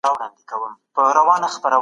رښتینی مجاهد د حق دپاره خپل سر قربانوی.